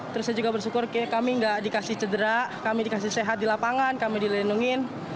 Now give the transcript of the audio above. terus saya juga bersyukur kami nggak dikasih cedera kami dikasih sehat di lapangan kami dilendungin